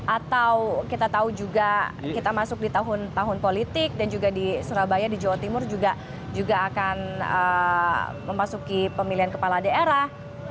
atau kita tahu juga kita masuk di tahun tahun politik dan juga di surabaya di jawa timur juga akan memasuki pemilihan kepala daerah